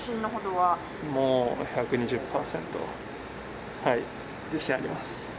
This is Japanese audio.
もう１２０％、自信あります。